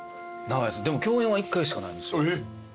でも共演は１回しかないんです。